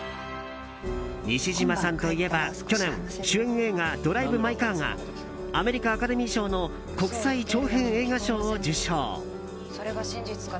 西島さんといえば、去年主演映画「ドライブ・マイ・カー」がアメリカアカデミー賞の国際長編映画賞を受賞。